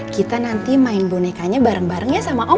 kita nanti main bonekanya bareng bareng ya sama allah